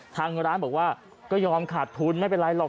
ทางร้านบอกว่าก็ยอมขาดทุนไม่เป็นไรหรอก